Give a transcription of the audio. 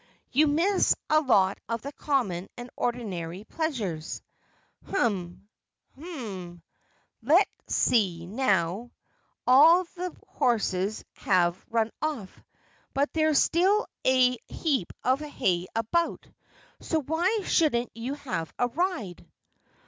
"You miss a lot of the common and ordinary pleasures. Hmm mmn, let's see, now, all the horses have run off, but there's still a heap of hay about so why shouldn't you have a ride?"